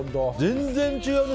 全然違うね。